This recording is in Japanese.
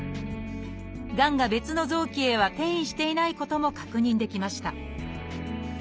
がんが別の臓器へは転移していないことも確認できました